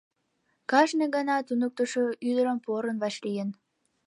Кажне гана туныктышо ӱдырым порын вашлийын.